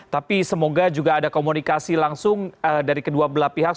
tapi semoga juga ada komunikasi langsung dari kedua belah pihak